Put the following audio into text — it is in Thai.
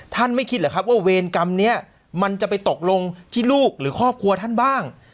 ไม่คิดเหรอครับว่าเวรกรรมนี้มันจะไปตกลงที่ลูกหรือครอบครัวท่านบ้าง